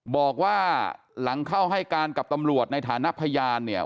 บอกว่าหลังเข้าให้การกับตำรวจในฐานะพยานเนี่ย